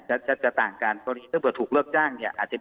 จะต่างกันตัวนี้ถ้าเผื่อถูกเลิกจ้างเนี่ยเข้าใจค่ะ